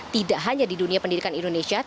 tidak hanya di dunia pendidikan indonesia